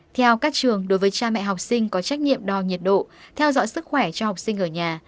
theo các trường đối với cha mẹ học sinh có trách nhiệm đo nhiệt độ theo dõi sức khỏe cho học sinh ở nhà